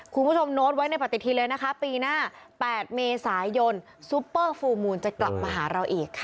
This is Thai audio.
โน้ตไว้ในปฏิทินเลยนะคะปีหน้า๘เมษายนซุปเปอร์ฟูลมูลจะกลับมาหาเราอีกค่ะ